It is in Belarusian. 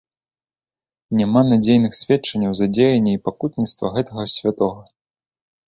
Няма надзейных сведчанняў за дзеянні і пакутніцтва гэтага святога.